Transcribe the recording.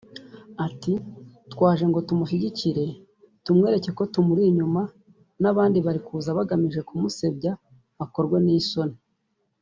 Ati “twaje ngo tumushyigikire tumwereke ko tumuri inyuma […] n’ abandi bari kuza bagamije kumusebya bakorwe n’isoni”